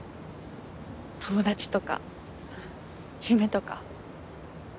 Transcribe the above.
友達とか夢とか。